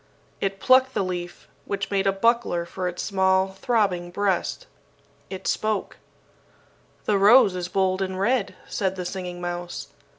It plucked the leaf, which made a buckler for its small throbbing breast. It spoke: "The rose is bold and red," said the Singing Mouse.